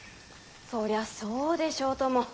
そりゃそうでしょうとも。